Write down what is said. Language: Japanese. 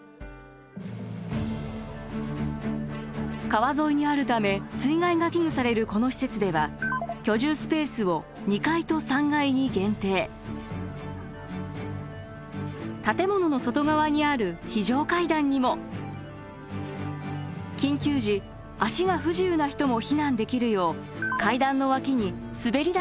川沿いにあるため水害が危惧されるこの施設では建物の外側にある非常階段にも緊急時足が不自由な人も避難できるよう階段の脇に滑り台をつけました。